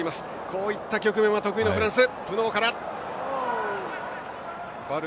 こうした局面は得意のフランス。